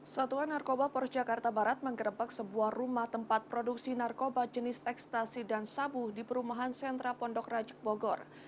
satuan narkoba pores jakarta barat menggerebek sebuah rumah tempat produksi narkoba jenis ekstasi dan sabu di perumahan sentra pondok rajuk bogor